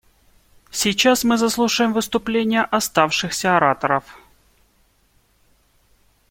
Сейчас мы заслушаем выступления оставшихся ораторов.